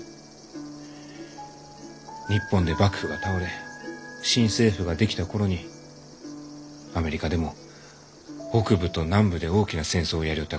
日本で幕府が倒れ新政府が出来た頃にアメリカでも北部と南部で大きな戦争をやりよったがじゃ。